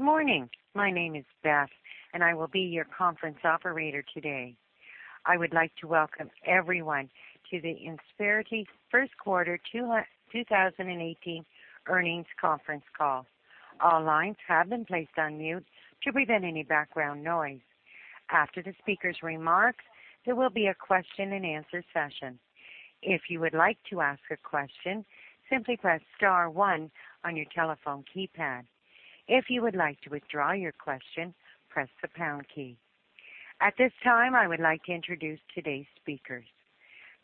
Good morning. My name is Beth, I will be your conference operator today. I would like to welcome everyone to the Insperity first quarter 2018 earnings conference call. All lines have been placed on mute to prevent any background noise. After the speaker's remarks, there will be a question and answer session. If you would like to ask a question, simply press star one on your telephone keypad. If you would like to withdraw your question, press the pound key. At this time, I would like to introduce today's speakers.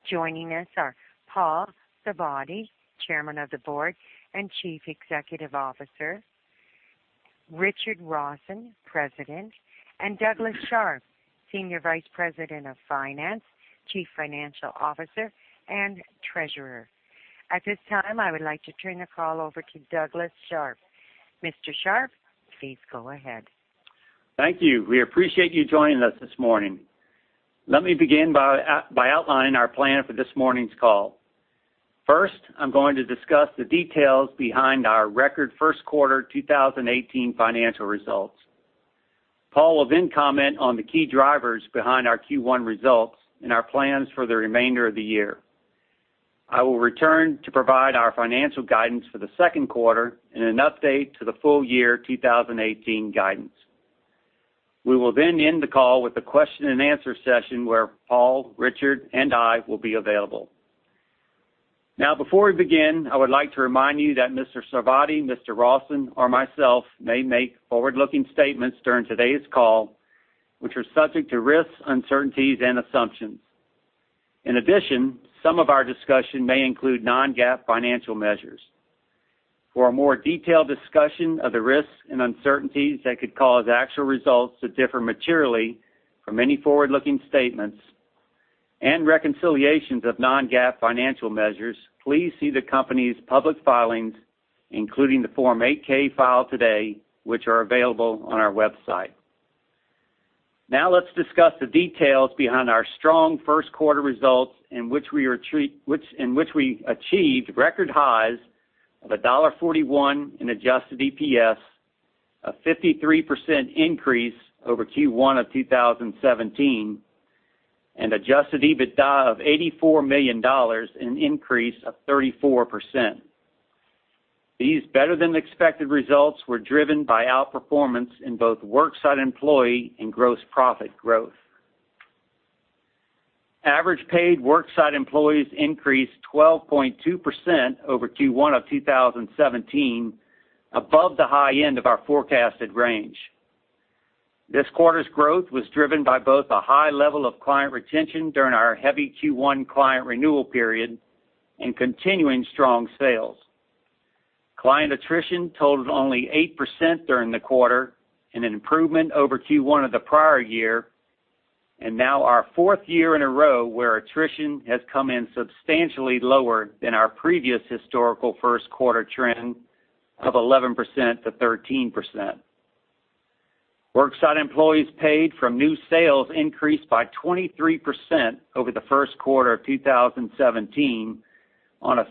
Joining us are Paul Sarvadi, Chairman of the Board and Chief Executive Officer; Richard Rawson, President; Douglas Sharp, Senior Vice President of Finance, Chief Financial Officer, and Treasurer. At this time, I would like to turn the call over to Douglas Sharp. Mr. Sharp, please go ahead. Thank you. We appreciate you joining us this morning. Let me begin by outlining our plan for this morning's call. First, I'm going to discuss the details behind our record first quarter 2018 financial results. Paul will then comment on the key drivers behind our Q1 results and our plans for the remainder of the year. I will return to provide our financial guidance for the second quarter and an update to the full year 2018 guidance. We will then end the call with a question and answer session where Paul, Richard, and I will be available. Before we begin, I would like to remind you that Mr. Sarvadi, Mr. Rawson, or myself may make forward-looking statements during today's call, which are subject to risks, uncertainties, and assumptions. In addition, some of our discussion may include non-GAAP financial measures. For a more detailed discussion of the risks and uncertainties that could cause actual results to differ materially from any forward-looking statements and reconciliations of non-GAAP financial measures, please see the company's public filings, including the Form 8-K filed today, which are available on our website. Let's discuss the details behind our strong first quarter results, in which we achieved record highs of $1.41 in adjusted EPS, a 53% increase over Q1 of 2017, and adjusted EBITDA of $84 million, an increase of 34%. These better-than-expected results were driven by outperformance in both worksite employee and gross profit growth. Average paid worksite employees increased 12.2% over Q1 of 2017, above the high end of our forecasted range. This quarter's growth was driven by both a high level of client retention during our heavy Q1 client renewal period and continuing strong sales. Client attrition totaled only 8% during the quarter, an improvement over Q1 of the prior year, and now our fourth year in a row where attrition has come in substantially lower than our previous historical first quarter trend of 11%-13%. Worksite employees paid from new sales increased by 23% over the first quarter of 2017 on a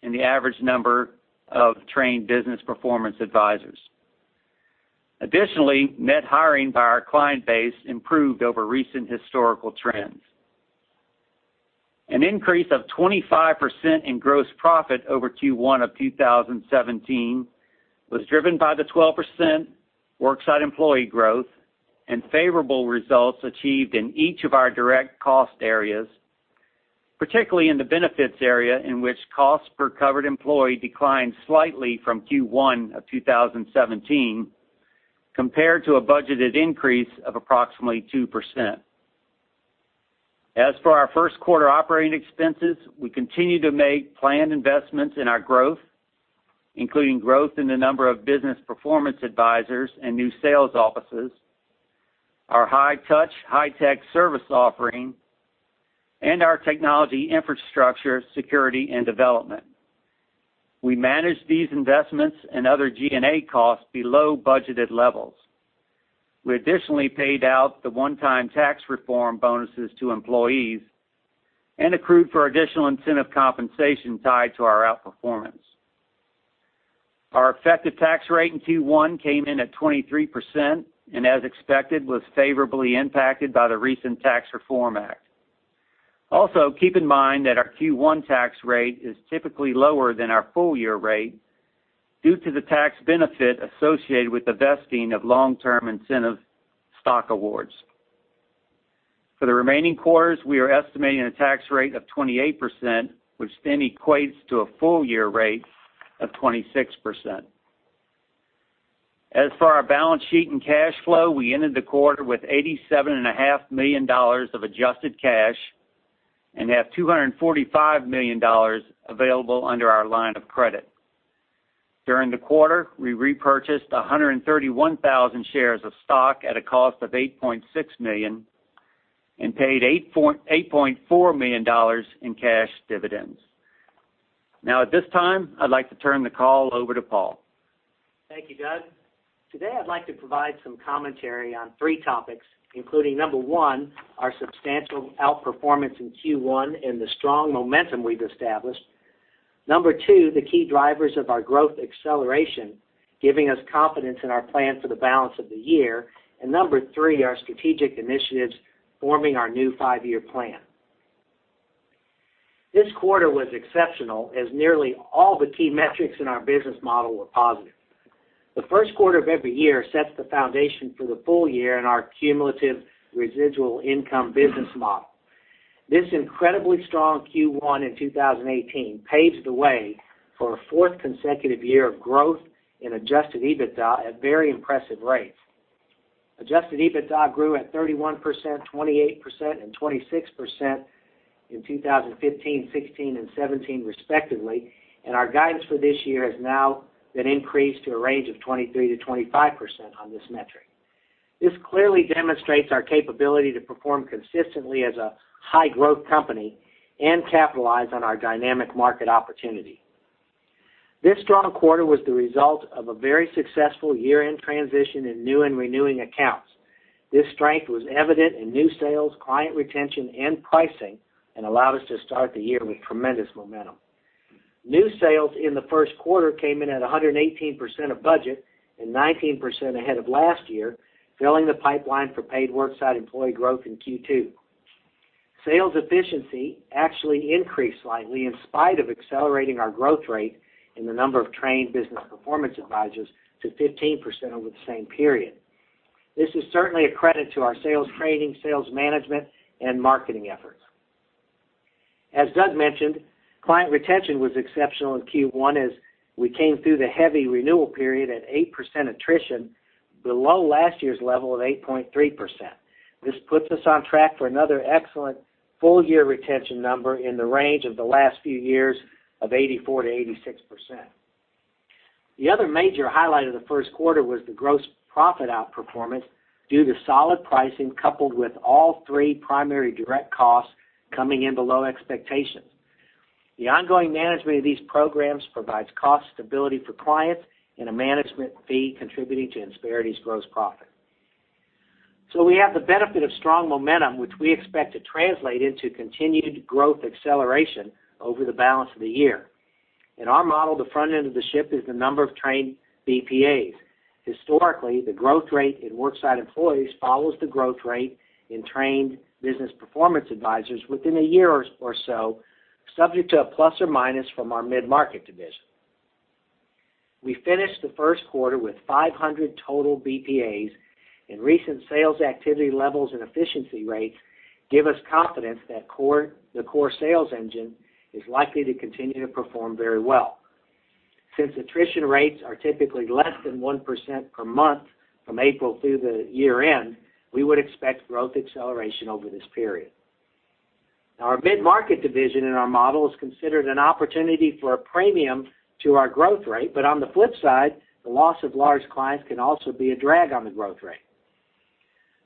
15% increase in the average number of trained business performance advisors. Additionally, net hiring by our client base improved over recent historical trends. An increase of 25% in gross profit over Q1 of 2017 was driven by the 12% worksite employee growth and favorable results achieved in each of our direct cost areas, particularly in the benefits area, in which cost per covered employee declined slightly from Q1 of 2017 compared to a budgeted increase of approximately 2%. As for our first quarter operating expenses, we continue to make planned investments in our growth, including growth in the number of Business Performance Advisors and new sales offices, our high touch, high tech service offering, and our technology infrastructure, security, and development. We managed these investments and other G&A costs below budgeted levels. We additionally paid out the one-time tax reform bonuses to employees and accrued for additional incentive compensation tied to our outperformance. Our effective tax rate in Q1 came in at 23% and, as expected, was favorably impacted by the recent Tax Reform Act. Also, keep in mind that our Q1 tax rate is typically lower than our full year rate due to the tax benefit associated with the vesting of long-term incentive stock awards. For the remaining quarters, we are estimating a tax rate of 28%, which equates to a full year rate of 26%. As for our balance sheet and cash flow, we ended the quarter with $87.5 million of adjusted cash and have $245 million available under our line of credit. During the quarter, we repurchased 131,000 shares of stock at a cost of $8.6 million and paid $8.4 million in cash dividends. At this time, I'd like to turn the call over to Paul. Thank you, Doug. Today, I'd like to provide some commentary on three topics, including, number one, our substantial outperformance in Q1 and the strong momentum we've established. Number two, the key drivers of our growth acceleration, giving us confidence in our plan for the balance of the year. Number three, our strategic initiatives forming our new five-year plan. This quarter was exceptional, as nearly all the key metrics in our business model were positive. The first quarter of every year sets the foundation for the full year in our cumulative residual income business model. This incredibly strong Q1 in 2018 paves the way for a fourth consecutive year of growth in adjusted EBITDA at very impressive rates. Adjusted EBITDA grew at 31%, 28%, and 26% in 2015, 2016, and 2017 respectively, and our guidance for this year has now been increased to a range of 23%-25% on this metric. This clearly demonstrates our capability to perform consistently as a high-growth company and capitalize on our dynamic market opportunity. This strong quarter was the result of a very successful year-end transition in new and renewing accounts. This strength was evident in new sales, client retention, and pricing, and allowed us to start the year with tremendous momentum. New sales in the first quarter came in at 118% of budget and 19% ahead of last year, filling the pipeline for paid worksite employee growth in Q2. Sales efficiency actually increased slightly in spite of accelerating our growth rate in the number of trained Business Performance Advisors to 15% over the same period. This is certainly a credit to our sales training, sales management, and marketing efforts. As Doug mentioned, client retention was exceptional in Q1 as we came through the heavy renewal period at 8% attrition, below last year's level of 8.3%. This puts us on track for another excellent full-year retention number in the range of the last few years of 84%-86%. The other major highlight of the first quarter was the gross profit outperformance due to solid pricing coupled with all three primary direct costs coming in below expectations. The ongoing management of these programs provides cost stability for clients and a management fee contributing to Insperity's gross profit. We have the benefit of strong momentum, which we expect to translate into continued growth acceleration over the balance of the year. In our model, the front end of the ship is the number of trained BPAs. Historically, the growth rate in worksite employees follows the growth rate in trained Business Performance Advisors within a year or so, subject to a plus or minus from our mid-market division. We finished the first quarter with 500 total BPAs, and recent sales activity levels and efficiency rates give us confidence that the core sales engine is likely to continue to perform very well. Since attrition rates are typically less than 1% per month from April through the year-end, we would expect growth acceleration over this period. Now, our mid-market division in our model is considered an opportunity for a premium to our growth rate. On the flip side, the loss of large clients can also be a drag on the growth rate.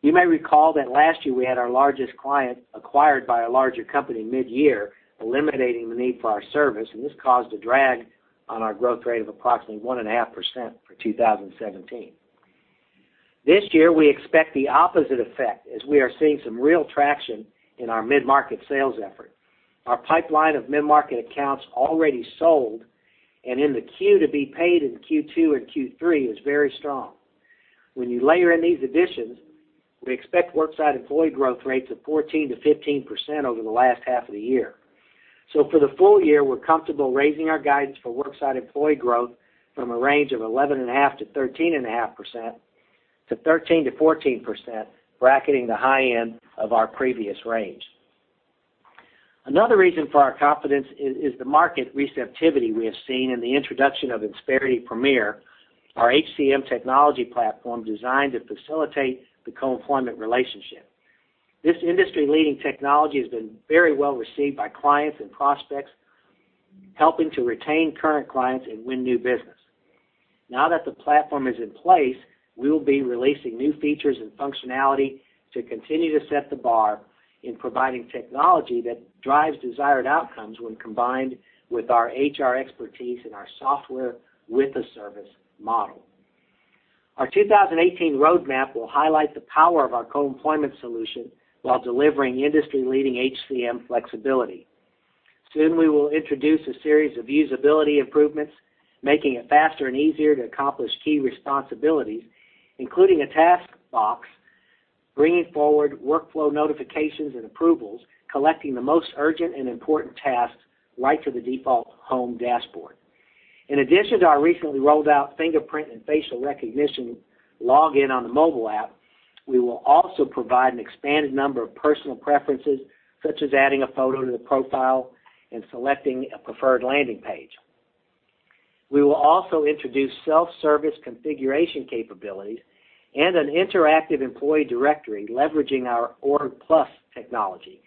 You may recall that last year we had our largest client acquired by a larger company mid-year, eliminating the need for our service, and this caused a drag on our growth rate of approximately 1.5% for 2017. This year, we expect the opposite effect, as we are seeing some real traction in our mid-market sales effort. Our pipeline of mid-market accounts already sold and in the queue to be paid in Q2 and Q3 is very strong. When you layer in these additions, we expect worksite employee growth rates of 14%-15% over the last half of the year. For the full year, we're comfortable raising our guidance for worksite employee growth from a range of 11.5%-13.5% to 13%-14%, bracketing the high end of our previous range. Another reason for our confidence is the market receptivity we have seen in the introduction of Insperity Premier, our HCM technology platform designed to facilitate the co-employment relationship. This industry-leading technology has been very well received by clients and prospects, helping to retain current clients and win new business. Now that the platform is in place, we will be releasing new features and functionality to continue to set the bar in providing technology that drives desired outcomes when combined with our HR expertise and our software with a service model. Our 2018 roadmap will highlight the power of our co-employment solution while delivering industry-leading HCM flexibility. Soon, we will introduce a series of usability improvements, making it faster and easier to accomplish key responsibilities, including a task box, bringing forward workflow notifications and approvals, collecting the most urgent and important tasks right to the default home dashboard. In addition to our recently rolled-out fingerprint and facial recognition login on the mobile app, we will also provide an expanded number of personal preferences, such as adding a photo to the profile and selecting a preferred landing page. We will also introduce self-service configuration capabilities and an interactive employee directory leveraging our OrgPlus technology.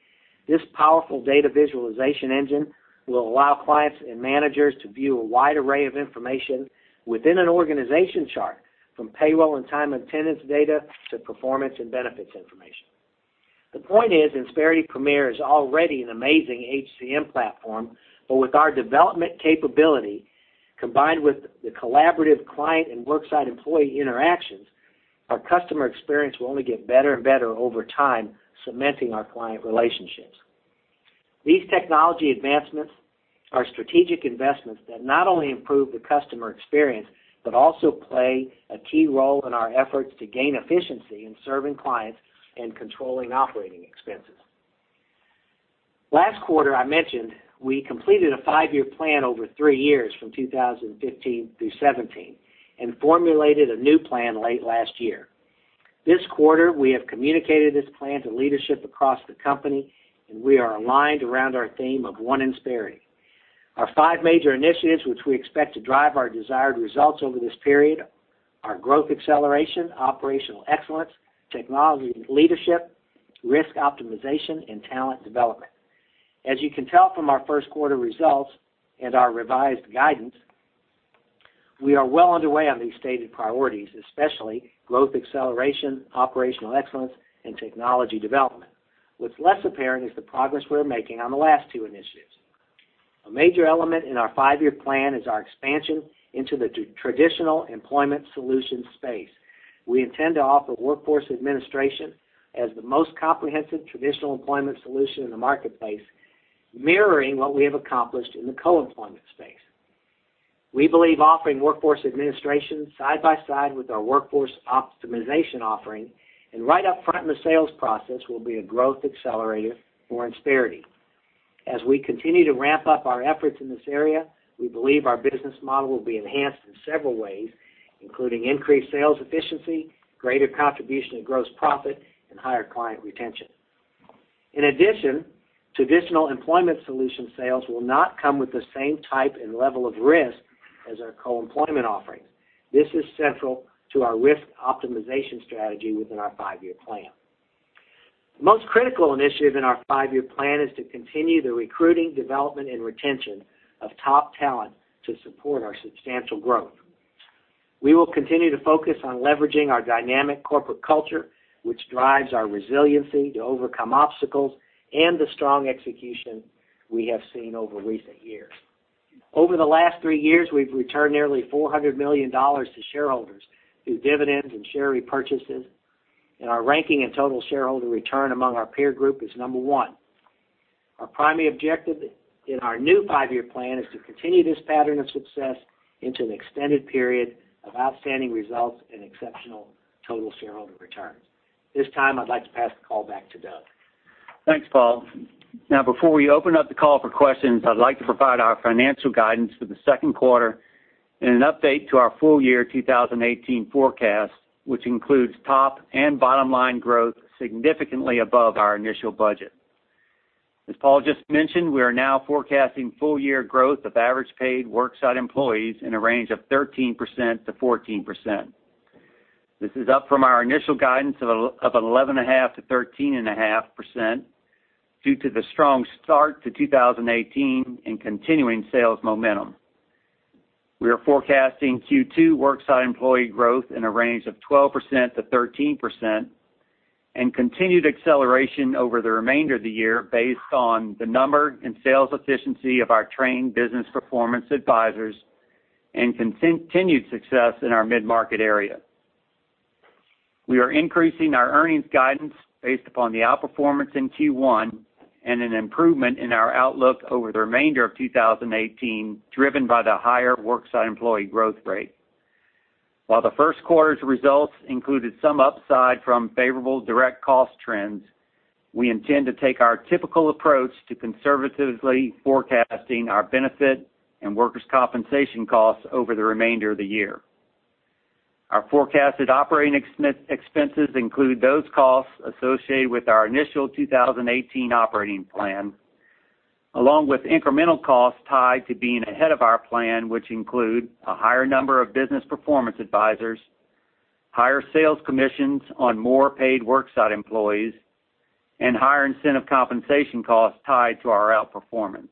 This powerful data visualization engine will allow clients and managers to view a wide array of information within an organization chart, from payroll and time attendance data to performance and benefits information. The point is, Insperity Premier is already an amazing HCM platform. With our development capability, combined with the collaborative client and worksite employee interactions, our customer experience will only get better and better over time, cementing our client relationships. These technology advancements are strategic investments that not only improve the customer experience, but also play a key role in our efforts to gain efficiency in serving clients and controlling operating expenses. Last quarter, I mentioned we completed a five-year plan over three years from 2015 through 2017, and formulated a new plan late last year. This quarter, we have communicated this plan to leadership across the company, and we are aligned around our theme of One Insperity. Our five major initiatives, which we expect to drive our desired results over this period, are growth acceleration, operational excellence, technology leadership, risk optimization, and talent development. As you can tell from our first quarter results and our revised guidance, we are well underway on these stated priorities, especially growth acceleration, operational excellence, and technology development. What's less apparent is the progress we are making on the last two initiatives. A major element in our five-year plan is our expansion into the traditional employment solutions space. We intend to offer Workforce Administration as the most comprehensive traditional employment solution in the marketplace, mirroring what we have accomplished in the co-employment space. We believe offering Workforce Administration side by side with our Workforce Optimization offering and right up front in the sales process will be a growth accelerator for Insperity. As we continue to ramp up our efforts in this area, we believe our business model will be enhanced in several ways, including increased sales efficiency, greater contribution to gross profit, and higher client retention. In addition, traditional employment solution sales will not come with the same type and level of risk as our co-employment offerings. This is central to our risk optimization strategy within our five-year plan. The most critical initiative in our five-year plan is to continue the recruiting, development, and retention of top talent to support our substantial growth. We will continue to focus on leveraging our dynamic corporate culture, which drives our resiliency to overcome obstacles and the strong execution we have seen over recent years. Over the last three years, we've returned nearly $400 million to shareholders through dividends and share repurchases, and our ranking and total shareholder return among our peer group is number one. Our primary objective in our new five-year plan is to continue this pattern of success into an extended period of outstanding results and exceptional total shareholder returns. At this time, I'd like to pass the call back to Doug. Thanks, Paul. Before we open up the call for questions, I'd like to provide our financial guidance for the second quarter and an update to our full-year 2018 forecast, which includes top and bottom-line growth significantly above our initial budget. As Paul just mentioned, we are now forecasting full-year growth of average paid worksite employees in a range of 13%-14%. This is up from our initial guidance of 11.5%-13.5% due to the strong start to 2018 and continuing sales momentum. We are forecasting Q2 worksite employee growth in a range of 12%-13% and continued acceleration over the remainder of the year based on the number and sales efficiency of our trained Business Performance Advisors and continued success in our mid-market area. We are increasing our earnings guidance based upon the outperformance in Q1 and an improvement in our outlook over the remainder of 2018, driven by the higher worksite employee growth rate. While the first quarter's results included some upside from favorable direct cost trends, we intend to take our typical approach to conservatively forecasting our benefit and workers' compensation costs over the remainder of the year. Our forecasted operating expenses include those costs associated with our initial 2018 operating plan, along with incremental costs tied to being ahead of our plan, which include a higher number of Business Performance Advisors, higher sales commissions on more paid worksite employees, and higher incentive compensation costs tied to our outperformance.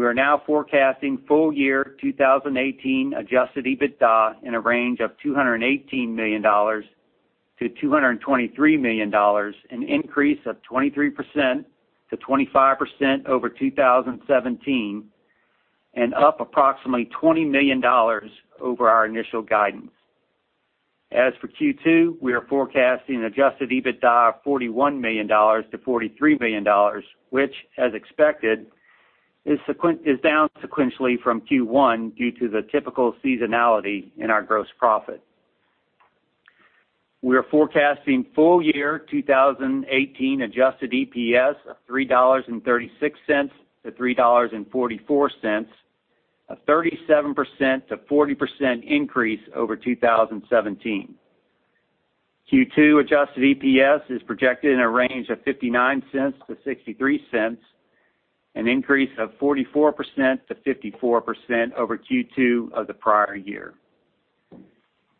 We are now forecasting full-year 2018 adjusted EBITDA in a range of $218 million-$223 million, an increase of 23%-25% over 2017, and up approximately $20 million over our initial guidance. As for Q2, we are forecasting adjusted EBITDA of $41 million-$43 million, which, as expected, is down sequentially from Q1 due to the typical seasonality in our gross profit. We are forecasting full-year 2018 adjusted EPS of $3.36-$3.44, a 37%-40% increase over 2017. Q2 adjusted EPS is projected in a range of $0.59-$0.63, an increase of 44%-54% over Q2 of the prior year.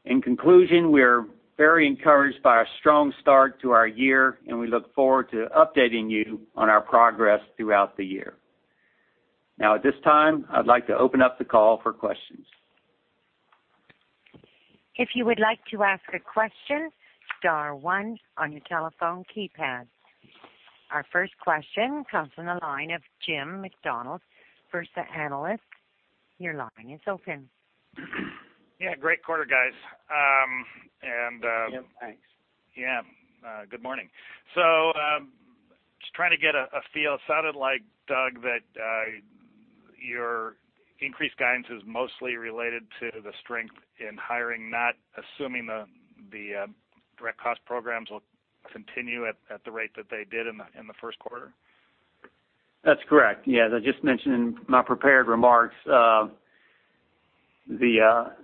We are very encouraged by our strong start to our year, and we look forward to updating you on our progress throughout the year. At this time, I'd like to open up the call for questions. If you would like to ask a question, star one on your telephone keypad. Our first question comes from the line of James Allison, First Analysis. Your line is open. Yeah. Great quarter, guys. Jim, thanks. Good morning. Just trying to get a feel. Sounded like, Doug, that your increased guidance is mostly related to the strength in hiring, not assuming the direct cost programs will continue at the rate that they did in the first quarter? That's correct. Yeah. As I just mentioned in my prepared remarks, the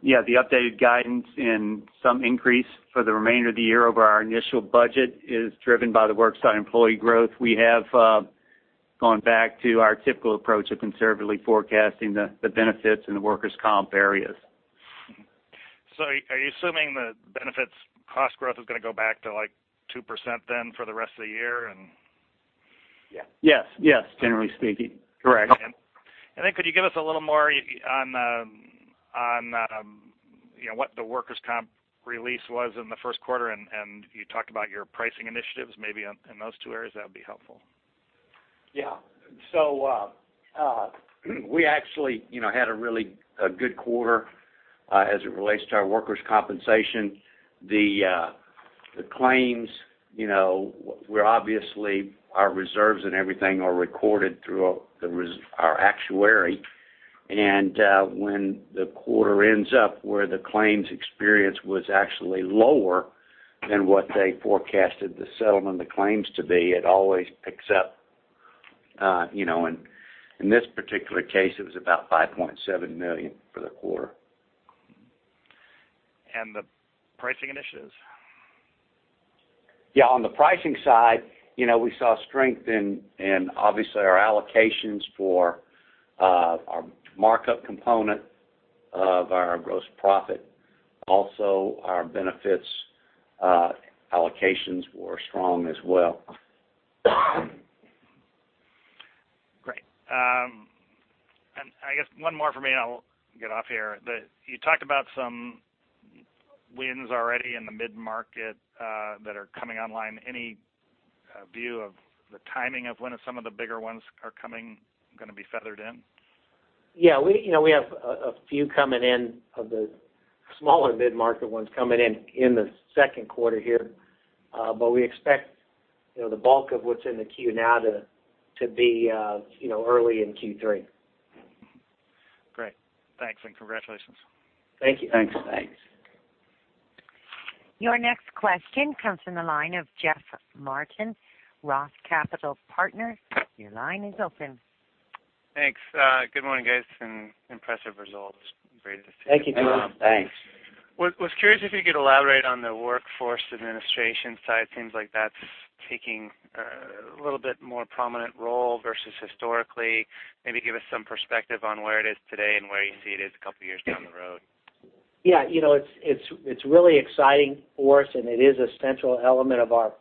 updated guidance and some increase for the remainder of the year over our initial budget is driven by the worksite employee growth. We have gone back to our typical approach of conservatively forecasting the benefits in the workers' comp areas. Are you assuming the benefits cost growth is going to go back to 2% then for the rest of the year? Yes. Generally speaking. Correct. Could you give us a little more on what the workers' comp release was in the first quarter? You talked about your pricing initiatives, maybe in those two areas, that would be helpful. Yeah. We actually had a really good quarter as it relates to our workers' compensation. The claims, obviously our reserves and everything are recorded through our actuary. When the quarter ends up where the claims experience was actually lower than what they forecasted the settlement, the claims to be, it always picks up. In this particular case, it was about $5.7 million for the quarter. The pricing initiatives? Yeah, on the pricing side, we saw strength in, obviously, our allocations for our markup component of our gross profit. Also, our benefits allocations were strong as well. Great. I guess one more from me, and I'll get off here. You talked about some wins already in the mid-market that are coming online. Any view of the timing of when some of the bigger ones are going to be feathered in? Yeah, we have a few coming in, of the smaller mid-market ones coming in in the second quarter here. We expect the bulk of what's in the queue now to be early in Q3. Great. Thanks, congratulations. Thank you. Your next question comes from the line of Jeff Martin, ROTH Capital Partners. Your line is open. Thanks. Good morning, guys. Impressive results. Great to see. Thank you, Jeff. Thanks. Was curious if you could elaborate on the Workforce Administration side. Seems like that's taking a little bit more prominent role versus historically. Maybe give us some perspective on where it is today and where you see it is a couple of years down the road. It's really exciting for us, and it is a central element of our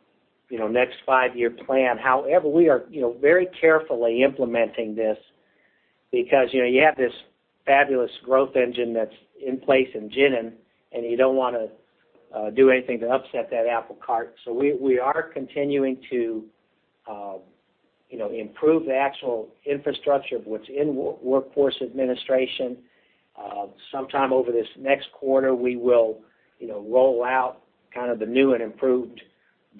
next five-year plan. We are very carefully implementing this because you have this fabulous growth engine that's in place in [Genen], and you don't want to do anything to upset that apple cart. We are continuing to improve the actual infrastructure of what's in Workforce Administration. Sometime over this next quarter, we will roll out kind of the new and improved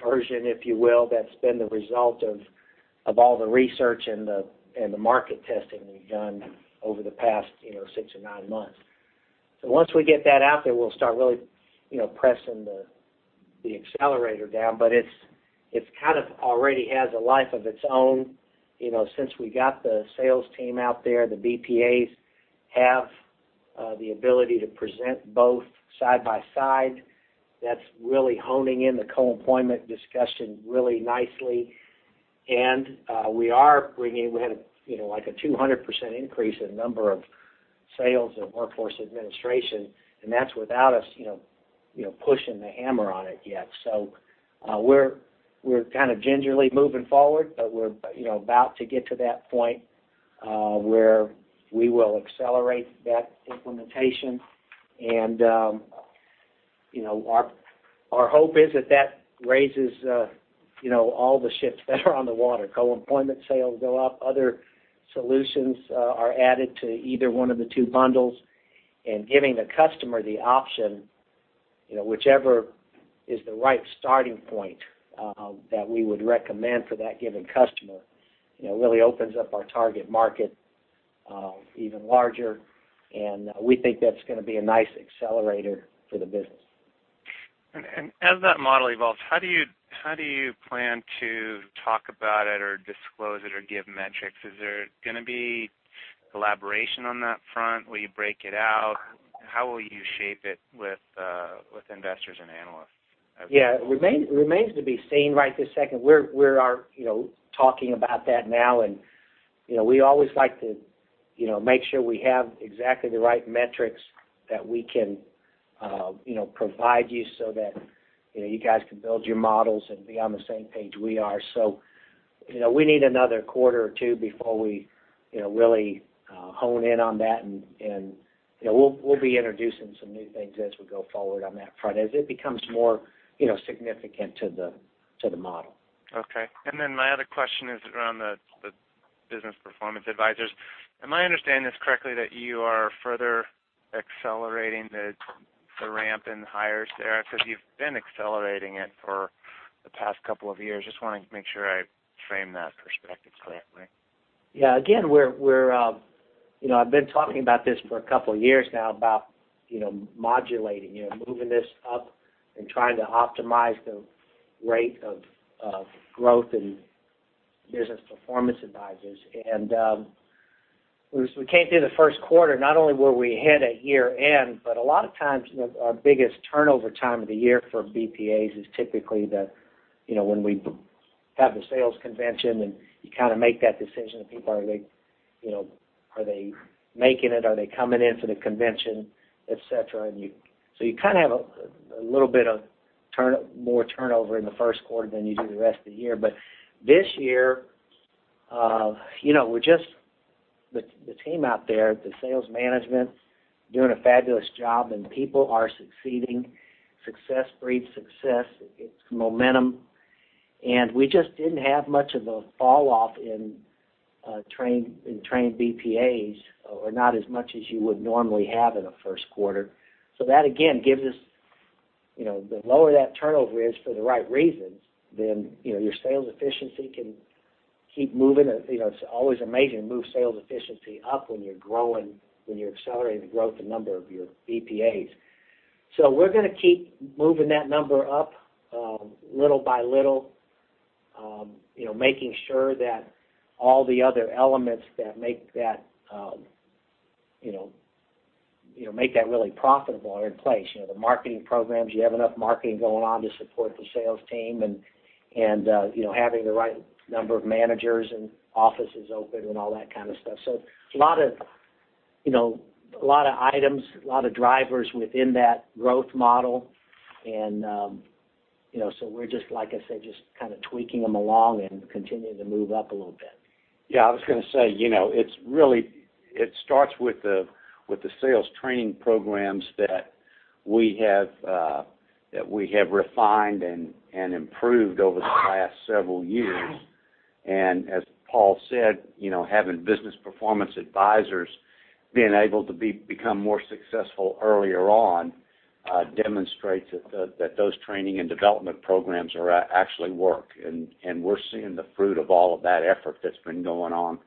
version, if you will, that's been the result of all the research and the market testing we've done over the past six or nine months. Once we get that out there, we'll start really pressing the accelerator down. It's kind of already has a life of its own. Since we got the sales team out there, the BPAs have the ability to present both side by side. That's really honing in the co-employment discussion really nicely. We are bringing, we had a 200% increase in the number of sales in Workforce Administration, and that's without us pushing the hammer on it yet. We're kind of gingerly moving forward, but we're about to get to that point where we will accelerate that implementation. Our hope is that raises all the ships that are on the water. Co-employment sales go up. Other solutions are added to either one of the two bundles. Giving the customer the option, whichever is the right starting point that we would recommend for that given customer, really opens up our target market even larger. We think that's going to be a nice accelerator for the business. As that model evolves, how do you plan to talk about it or disclose it or give metrics? Is there going to be collaboration on that front? Will you break it out? How will you shape it with investors and analysts? It remains to be seen right this second. We are talking about that now, and we always like to make sure we have exactly the right metrics that we can provide you so that you guys can build your models and be on the same page we are. We need another quarter or two before we really hone in on that. We'll be introducing some new things as we go forward on that front, as it becomes more significant to the model. Okay. My other question is around the Business Performance Advisors. Am I understanding this correctly that you are further accelerating the ramp in hires there? Because you've been accelerating it for the past couple of years. Just want to make sure I frame that perspective correctly. Yeah. Again, I've been talking about this for a couple of years now about modulating, moving this up and trying to optimize the rate of growth in Business Performance Advisors. As we came through the first quarter, not only were we ahead at year-end, but a lot of times, our biggest turnover time of the year for BPAs is typically when we have the sales convention and you kind of make that decision of people, are they making it? Are they coming into the convention, et cetera? You kind of have a little bit of more turnover in the first quarter than you do the rest of the year. This year, the team out there, the sales management, doing a fabulous job, and people are succeeding. Success breeds success. It's momentum. We just didn't have much of a fall-off in trained BPAs, or not as much as you would normally have in a first quarter. That, again, gives us, the lower that turnover is for the right reasons, then your sales efficiency can keep moving. It's always amazing to move sales efficiency up when you're growing, when you're accelerating the growth and number of your BPAs. We're going to keep moving that number up, little by little, making sure that all the other elements that make that really profitable are in place. The marketing programs, you have enough marketing going on to support the sales team and having the right number of managers and offices open and all that kind of stuff. It's a lot of items, a lot of drivers within that growth model, we're just, like I said, just kind of tweaking them along and continuing to move up a little bit. I was going to say, it starts with the sales training programs that we have refined and improved over the last several years. As Paul said, having Business Performance Advisors being able to become more successful earlier on, demonstrates that those training and development programs actually work, and we're seeing the fruit of all of that effort that's been going on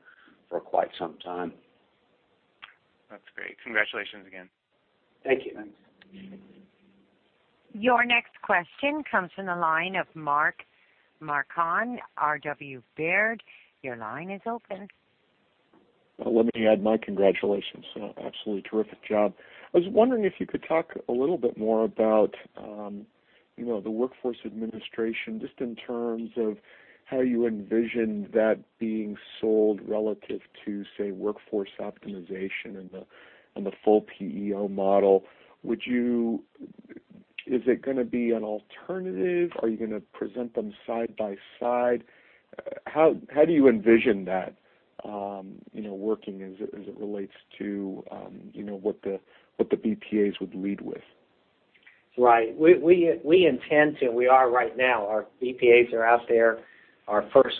for quite some time. That's great. Congratulations again. Thank you. Thanks. Your next question comes from the line of Mark Marcon, RW Baird. Your line is open. Let me add my congratulations. Absolutely terrific job. I was wondering if you could talk a little bit more about the Workforce Administration, just in terms of how you envision that being sold relative to, say, Workforce Optimization and the full PEO model. Is it going to be an alternative? Are you going to present them side by side? How do you envision that working as it relates to what the BPAs would lead with? Right. We intend to, and we are right now, our BPAs are out there.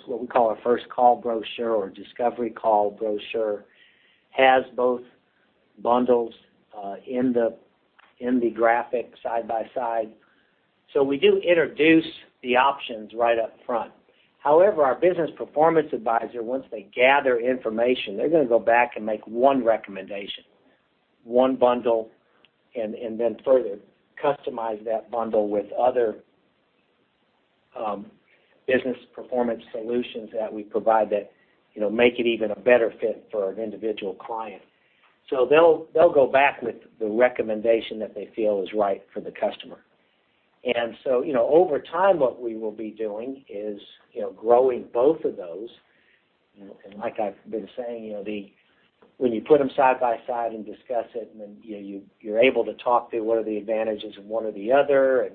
What we call our first call brochure or discovery call brochure has both bundles in the graphic side by side. We do introduce the options right up front. However, our Business Performance Advisor, once they gather information, they're going to go back and make one recommendation, one bundle, and then further customize that bundle with other business performance solutions that we provide that make it even a better fit for an individual client. They'll go back with the recommendation that they feel is right for the customer. Over time, what we will be doing is growing both of those. Like I've been saying, when you put them side by side and discuss it, then you're able to talk through what are the advantages of one or the other,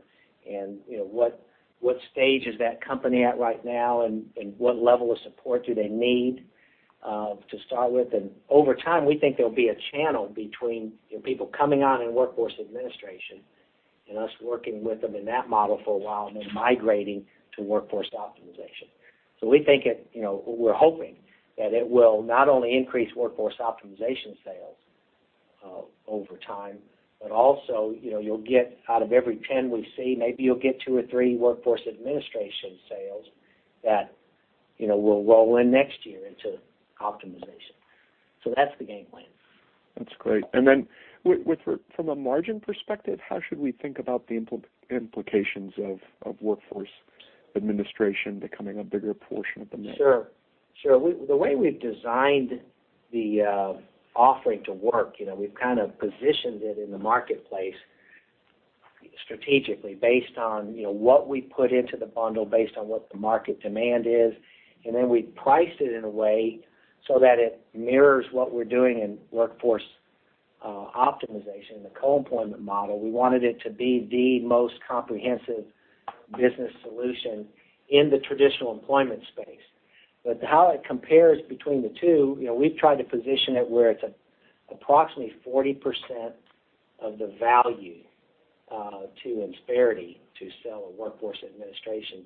what stage is that company at right now, what level of support do they need to start with. Over time, we think there'll be a channel between people coming on in Workforce Administration and us working with them in that model for a while, then migrating to Workforce Optimization. We're hoping that it will not only increase Workforce Optimization sales over time, but also, you'll get out of every 10 we see, maybe you'll get two or three Workforce Administration sales that will roll in next year into optimization. That's the game plan. That's great. From a margin perspective, how should we think about the implications of Workforce Administration becoming a bigger portion of the mix? Sure. The way we've designed the offering to work, we've kind of positioned it in the marketplace strategically based on what we put into the bundle, based on what the market demand is, then we priced it in a way so that it mirrors what we're doing in Workforce Optimization and the co-employment model, we wanted it to be the most comprehensive business solution in the traditional employment space. How it compares between the two, we've tried to position it where it's approximately 40% of the value to Insperity to sell a Workforce Administration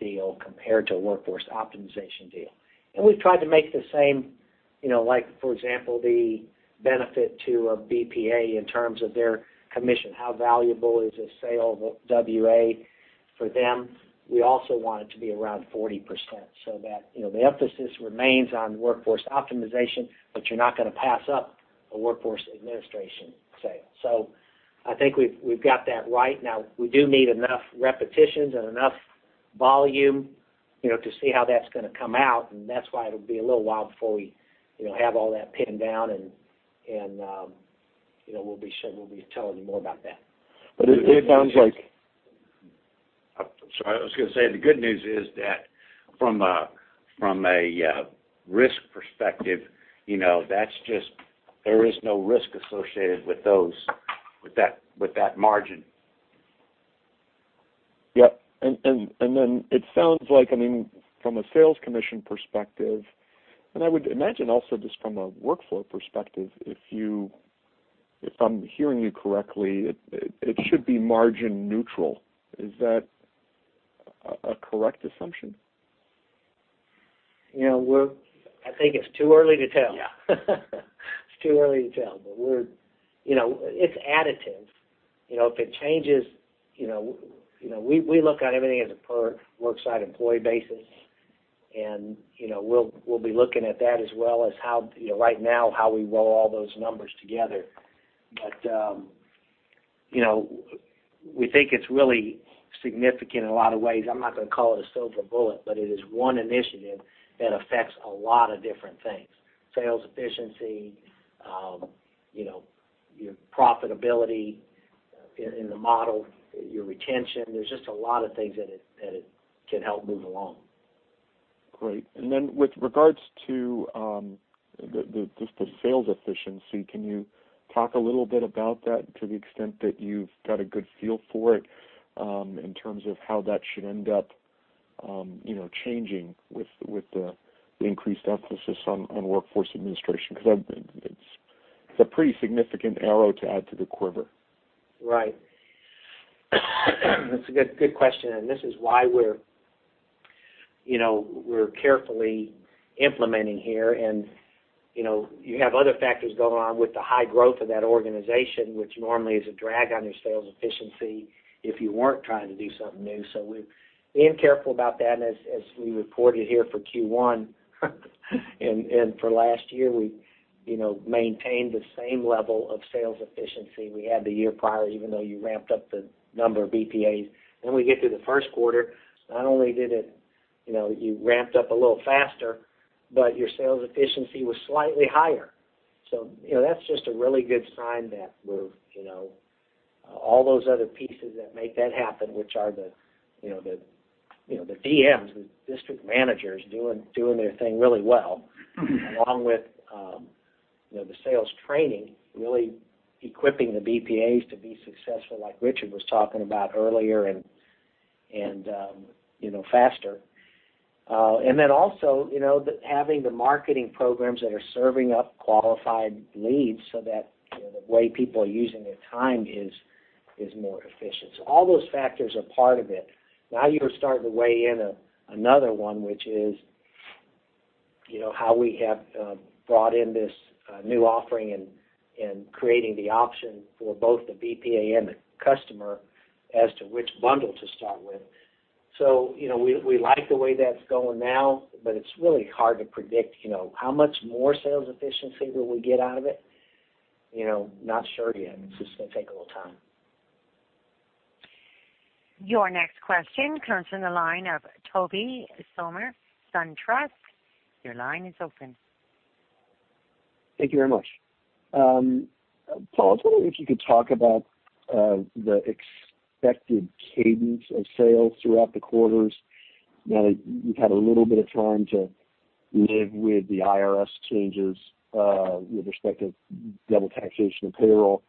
deal compared to a Workforce Optimization deal. We've tried to make the same, for example, the benefit to a BPA in terms of their commission, how valuable is a sale of WA for them? We also want it to be around 40%, that the emphasis remains on Workforce Optimization, you're not going to pass up a Workforce Administration sale. I think we've got that right now. We do need enough repetitions and enough volume to see how that's going to come out, that's why it'll be a little while before we have all that pinned down, we'll be telling you more about that. It sounds like. I'm sorry. I was going to say, the good news is that from a risk perspective, there is no risk associated with that margin. Yep. Then it sounds like, from a sales commission perspective, and I would imagine also just from a workflow perspective, if I'm hearing you correctly, it should be margin neutral. Is that a correct assumption? I think it's too early to tell. It's too early to tell. It's additive, if it changes. We look at everything as a per work site employee basis, we'll be looking at that as well as right now, how we roll all those numbers together. We think it's really significant in a lot of ways. I'm not going to call it a silver bullet, but it is one initiative that affects a lot of different things. Sales efficiency, your profitability in the model, your retention. There's just a lot of things that it can help move along. Great. Then with regards to just the sales efficiency, can you talk a little bit about that to the extent that you've got a good feel for it, in terms of how that should end up changing with the increased emphasis on Workforce Administration? Because it's a pretty significant arrow to add to the quiver. Right. That's a good question, this is why we're carefully implementing here and you have other factors going on with the high growth of that organization, which normally is a drag on your sales efficiency if you weren't trying to do something new. We're being careful about that. As we reported here for Q1 and for last year, we maintained the same level of sales efficiency we had the year prior, even though you ramped up the number of BPAs. We get to the first quarter, not only did you ramp up a little faster, but your sales efficiency was slightly higher. That's just a really good sign that we're. All those other pieces that make that happen, which are the DMs, the district managers doing their thing really well, along with the sales training, really equipping the BPAs to be successful like Richard was talking about earlier and faster. Also, having the marketing programs that are serving up qualified leads so that the way people are using their time is more efficient. All those factors are part of it. Now you are starting to weigh in another one, which is how we have brought in this new offering and creating the option for both the BPA and the customer as to which bundle to start with. We like the way that's going now, but it's really hard to predict how much more sales efficiency will we get out of it. Not sure yet. It's just going to take a little time. Your next question comes from the line of Tobey Sommer, SunTrust. Your line is open. Thank you very much. Paul, I was wondering if you could talk about the expected cadence of sales throughout the quarters now that you've had a little bit of time to live with the IRS changes, with respect to double taxation of payroll.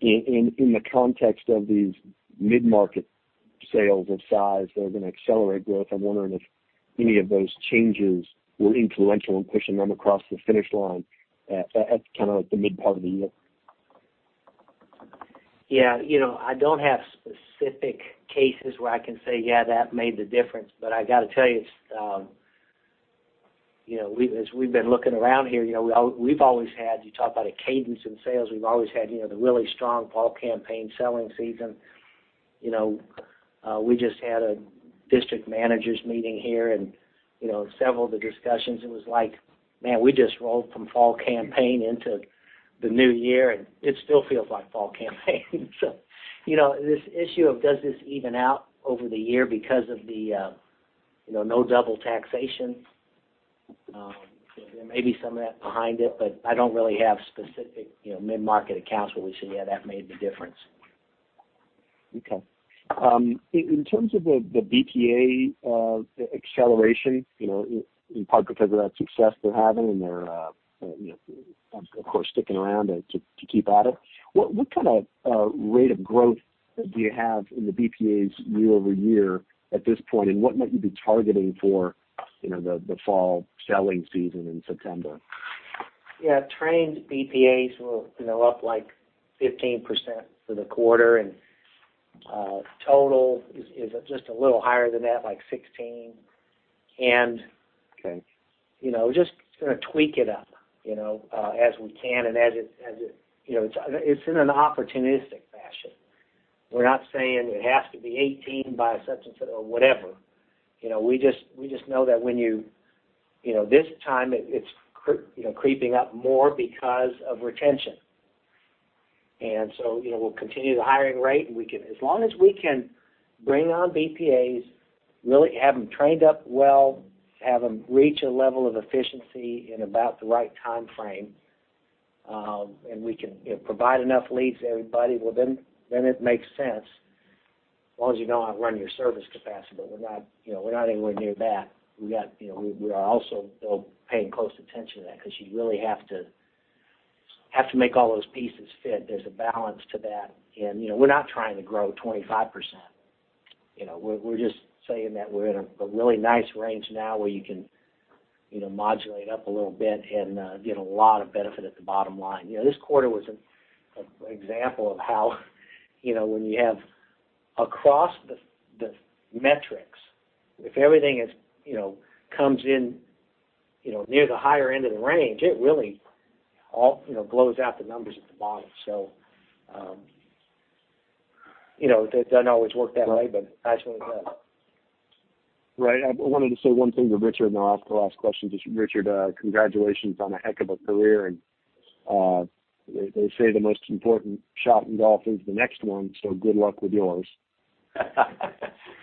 In the context of these mid-market sales of size that are going to accelerate growth, I'm wondering if any of those changes were influential in pushing them across the finish line at kind of the mid part of the year. Yeah. I don't have specific cases where I can say, "Yeah, that made the difference." I got to tell you, as we've been looking around here, we've always had, you talk about a cadence in sales, we've always had the really strong fall campaign selling season. We just had a district managers meeting here, and in several of the discussions, it was like, "Man, we just rolled from fall campaign into the new year, and it still feels like fall campaign." This issue of does this even out over the year because of the no double taxation? There may be some of that behind it, but I don't really have specific mid-market accounts where we say, "Yeah, that made the difference. Okay. In terms of the BPA acceleration, in part because of that success they're having and they're, of course, sticking around to keep at it, what kind of rate of growth do you have in the BPAs year-over-year at this point, and what might you be targeting for the fall selling season in September? Yeah. Trained BPAs were up 15% for the quarter, total is just a little higher than that, like 16. Okay. We're just going to tweak it up as we can and it's in an opportunistic fashion. We're not saying it has to be 18 by such and such or whatever. We just know that this time, it's creeping up more because of retention. We'll continue the hiring rate, and as long as we can bring on BPAs, really have them trained up well, have them reach a level of efficiency in about the right timeframe, and we can provide enough leads to everybody, well, then it makes sense. As long as you don't outrun your service capacity. We're not anywhere near that. We are also paying close attention to that because you really have to make all those pieces fit. There's a balance to that. We're not trying to grow 25%. We're just saying that we're in a really nice range now where you can modulate up a little bit and get a lot of benefit at the bottom line. This quarter was an example of how when you have across the metrics, if everything comes in near the higher end of the range, it really blows out the numbers at the bottom. It doesn't always work that way, but it actually does. Right. I wanted to say one thing to Richard, then I'll ask the last question. Just, Richard, congratulations on a heck of a career, they say the most important shot in golf is the next one, good luck with yours.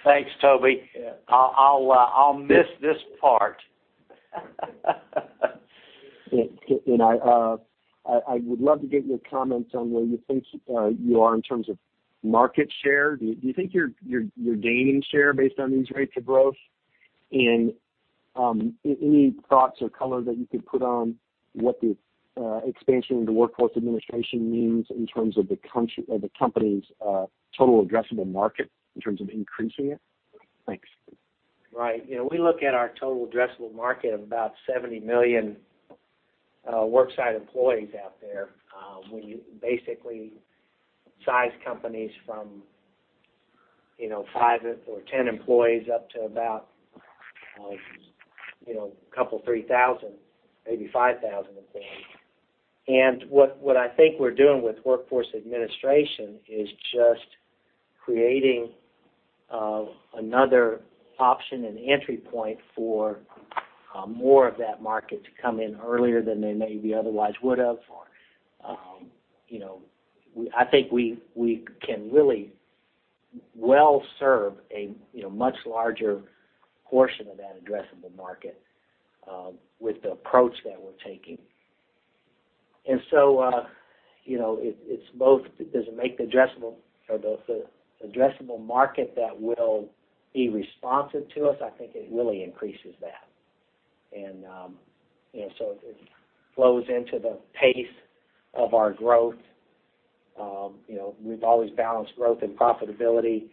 Thanks, Tobey. Yeah. I'll miss this part. I would love to get your comments on where you think you are in terms of market share. Do you think you're gaining share based on these rates of growth? Any thoughts or color that you could put on what the expansion into Workforce Administration means in terms of the company's total addressable market in terms of increasing it? Thanks. Right. We look at our total addressable market of about 70 million worksite employees out there. We basically size companies from five or 10 employees up to about a couple, 3,000, maybe 5,000 employees. What I think we're doing with Workforce Administration is just creating another option and entry point for more of that market to come in earlier than they maybe otherwise would have. I think we can really well serve a much larger portion of that addressable market with the approach that we're taking. It's both. Does it make both the addressable market that will be responsive to us, I think it really increases that. It flows into the pace of our growth. We've always balanced growth and profitability,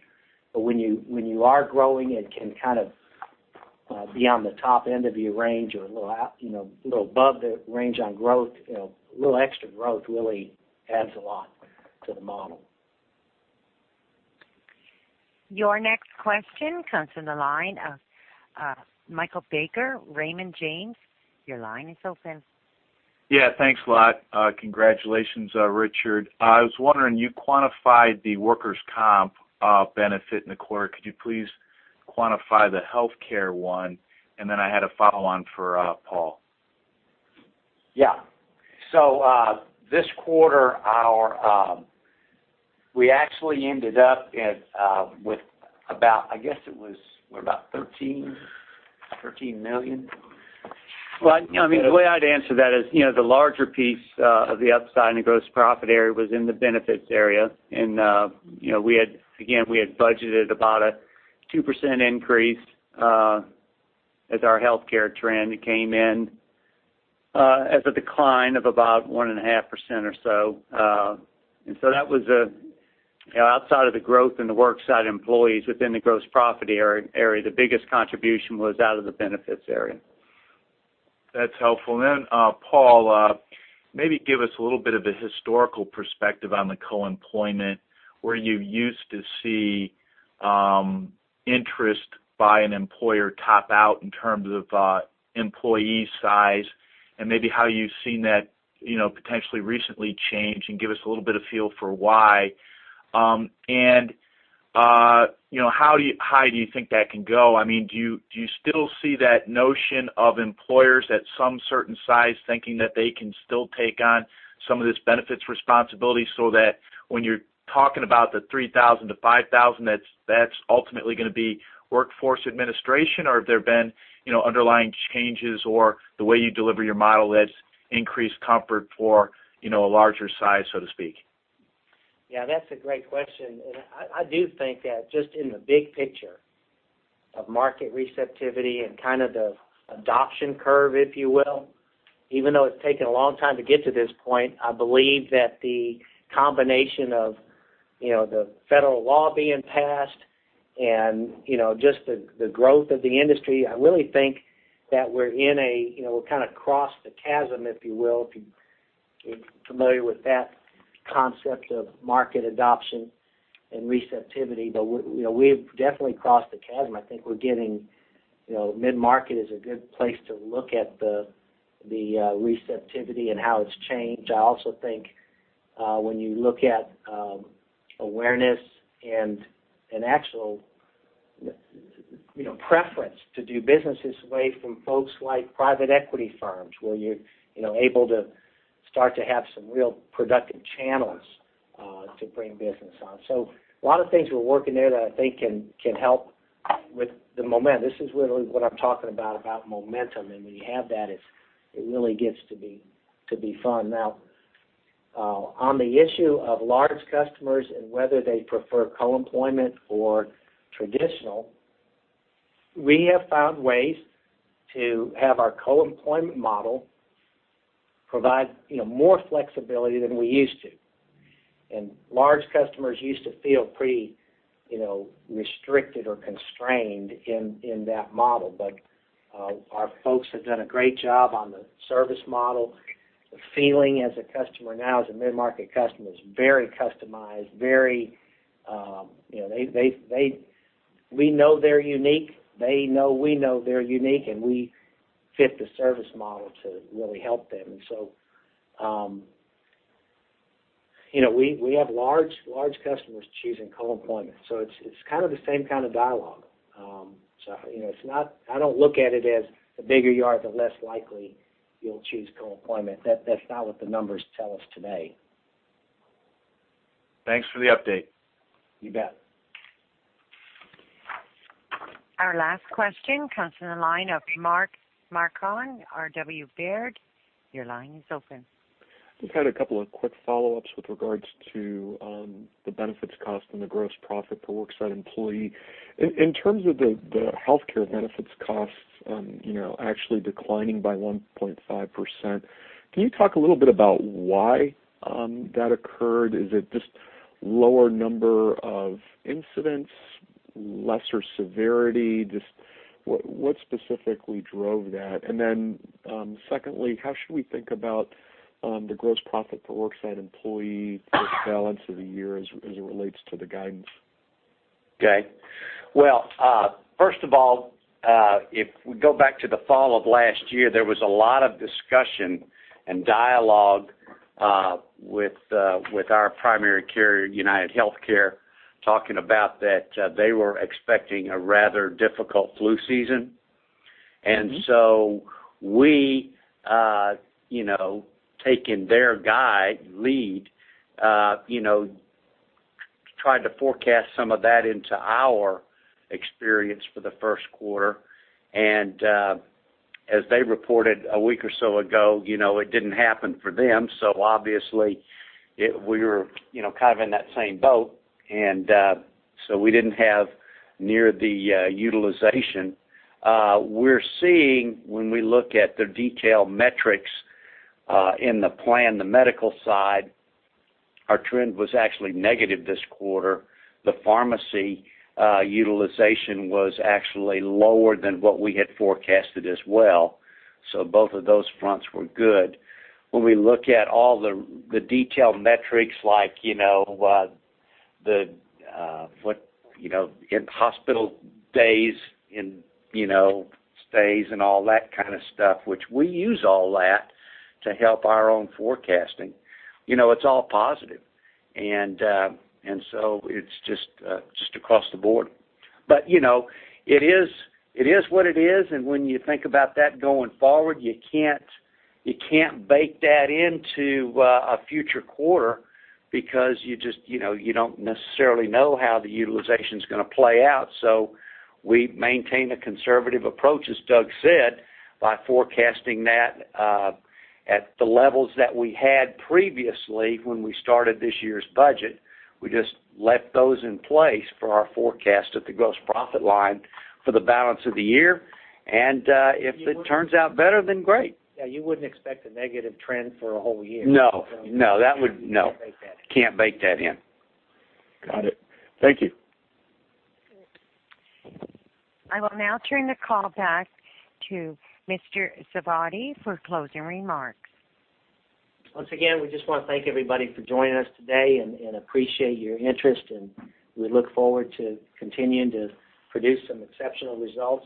when you are growing, it can kind of be on the top end of your range or a little above the range on growth. A little extra growth really adds a lot to the model. Your next question comes from the line of Michael Baker, Raymond James. Your line is open. Yeah, thanks a lot. Congratulations, Richard. I was wondering, you quantified the workers' comp benefit in the quarter. Could you please quantify the healthcare one? Then I had a follow-on for Paul. Yeah. This quarter, we actually ended up with about, I guess it was, we're about $13 million. Well, I mean, the way I'd answer that is, the larger piece of the upside in the gross profit area was in the benefits area, again, we had budgeted about a 2% increase as our healthcare trend. It came in as a decline of about 1.5% or so. That was outside of the growth in the worksite employees within the gross profit area. The biggest contribution was out of the benefits area. That's helpful. Paul, maybe give us a little bit of a historical perspective on the co-employment, where you used to see interest by an employer top out in terms of employee size and maybe how you've seen that potentially recently change, give us a little bit of feel for why. How high do you think that can go? I mean, do you still see that notion of employers at some certain size thinking that they can still take on some of this benefits responsibility so that when you're talking about the 3,000-5,000, that's ultimately going to be Workforce Administration, or have there been underlying changes or the way you deliver your model that's increased comfort for a larger size, so to speak? Yeah, that's a great question. I do think that just in the big picture of market receptivity and kind of the adoption curve, if you will, even though it's taken a long time to get to this point, I believe that the combination of the federal law being passed and just the growth of the industry, I really think that we're kind of crossed the chasm, if you will, if you're familiar with that concept of market adoption and receptivity. We've definitely crossed the chasm. I think mid-market is a good place to look at the receptivity and how it's changed. I also think, when you look at awareness and an actual preference to do business this way from folks like private equity firms where you're able to start to have some real productive channels to bring business on. A lot of things we're working there that I think can help with the momentum. This is really what I'm talking about momentum, and when you have that, it really gets to be fun. Now, on the issue of large customers and whether they prefer co-employment or traditional, we have found ways to have our co-employment model provide more flexibility than we used to. Large customers used to feel pretty restricted or constrained in that model. Our folks have done a great job on the service model. The feeling as a customer now, as a mid-market customer, is very customized. We know they're unique. They know we know they're unique, and we fit the service model to really help them. We have large customers choosing co-employment, it's kind of the same kind of dialogue. I don't look at it as the bigger you are, the less likely you'll choose co-employment. That's not what the numbers tell us today. Thanks for the update. You bet. Our last question comes from the line of Mark Marcon, RW Baird. Your line is open. Just had a couple of quick follow-ups with regards to the benefits cost and the gross profit per worksite employee. In terms of the healthcare benefits costs actually declining by 1.5%, can you talk a little bit about why that occurred? Is it just lower number of incidents, lesser severity? Just what specifically drove that? And then secondly, how should we think about the gross profit per worksite employee for the balance of the year as it relates to the guidance? First of all, if we go back to the fall of last year, there was a lot of discussion and dialogue with our primary carrier, UnitedHealthcare, talking about that they were expecting a rather difficult flu season. We, taking their guide lead, tried to forecast some of that into our experience for the first quarter. As they reported a week or so ago, it didn't happen for them, obviously, we're kind of in that same boat. We didn't have near the utilization. We're seeing when we look at the detailed metrics in the plan, the medical side, our trend was actually negative this quarter. The pharmacy utilization was actually lower than what we had forecasted as well. Both of those fronts were good. When we look at all the detailed metrics like in hospital days and stays and all that kind of stuff, which we use all that to help our own forecasting, it's all positive. It's just across the board. It is what it is, and when you think about that going forward, you can't bake that into a future quarter because you don't necessarily know how the utilization's going to play out. We maintain a conservative approach, as Doug said, by forecasting that at the levels that we had previously when we started this year's budget. We just left those in place for our forecast at the gross profit line for the balance of the year. If it turns out better, then great. You wouldn't expect a negative trend for a whole year. No. No, that would no. Can't bake that in. Can't bake that in. Got it. Thank you. I will now turn the call back to Mr. Sarvadi for closing remarks. Once again, we just want to thank everybody for joining us today and appreciate your interest, and we look forward to continuing to produce some exceptional results.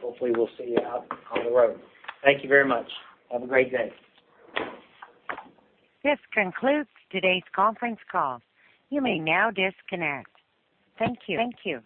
Hopefully, we'll see you out on the road. Thank you very much. Have a great day. This concludes today's conference call. You may now disconnect. Thank you.